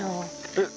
えっ？